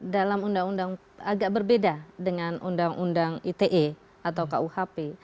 dalam undang undang agak berbeda dengan undang undang ite atau kuhp